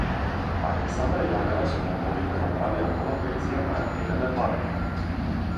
Александра Јанева со фановите направија нова верзија на „Еве ме пак“